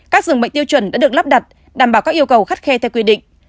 các dường bệnh tiêu chuẩn đã được lắp đặt đảm bảo các yêu cầu khắt khe theo quy định